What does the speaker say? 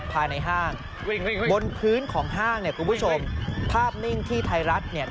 ภายในห้างบนพื้นของห้างเนี่ยคุณผู้ชมภาพนิ่งที่ไทยรัฐเนี่ย